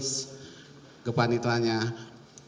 saya tanya ke panitranya bu joyce